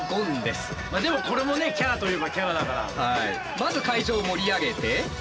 まず会場を盛り上げて。